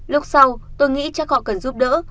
lúc sau tôi nghĩ chắc họ cần giúp đỡ